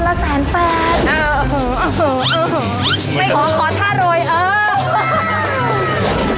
ไม่ขอขอถ้าโรยเออ